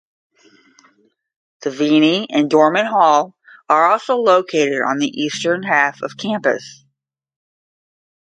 Deviney and Dorman Hall are also located on the eastern half of campus.